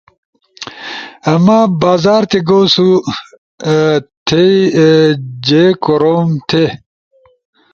مہ بازار تھی گؤ سو، تھی جھی کوروم تھے؟